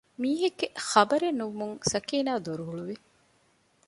މީހެއްގެ ޚަބަރެއް ނުވުމުން ސަކީނާ ދޮރު ހުޅުވި